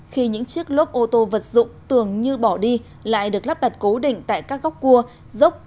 khi những chiếc lốp ô tô vật dụng tưởng như bỏ đi lại được lắp đặt cố định tại các góc cua dốc